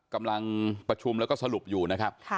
กำลังประชุมแล้วก็สรุปอยู่นะครับ